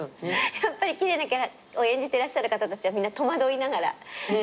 やっぱり奇麗なキャラを演じてらっしゃる方たちはみんな戸惑いながら。